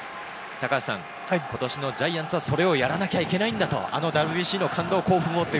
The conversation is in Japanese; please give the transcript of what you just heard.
今年のジャイアンツはそれをやらなきゃいけないんだと、あのＷＢＣの感動、興奮をと。